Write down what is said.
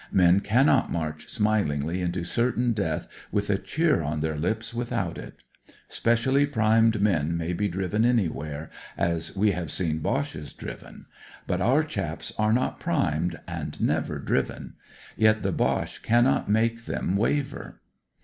Men cannot march smilingly into certain death with a cheer on their lips without it. Specially primed men may be driven anywhere, as we have seen Boches driven ; but our chaps are not primed, and never driven. Yet the Boche cannot make them waver.